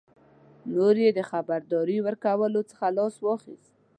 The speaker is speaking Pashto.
نور یې د خبرداري ورکولو څخه لاس واخیست.